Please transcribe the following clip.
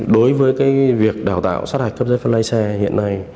đối với cái việc đào tạo sát hạch cấp dây phân lay xe hiện nay